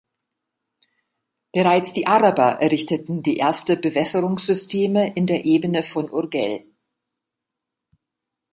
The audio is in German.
Bereits die Araber errichteten die erste Bewässerungssysteme in der Ebene von Urgell.